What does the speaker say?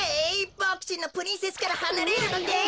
ボクちんのプリンセスからはなれるのです！